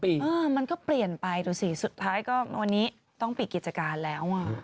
เออมันก็เปลี่ยนไปดูสิสุดท้ายก็วันนี้ต้องปิดกิจการแล้วอ่ะ